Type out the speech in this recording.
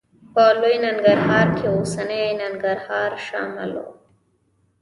په لوی ننګرهار کې اوسنی ننګرهار شامل و.